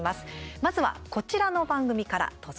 まずはこちらの番組から、どうぞ。